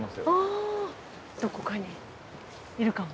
どこかにいるかも。